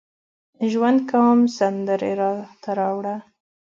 ژوند کوم سندرې راته راوړه